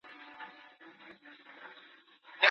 تاسو مه اجازه ورکوئ چې ماشومان بې کاره وګرځي.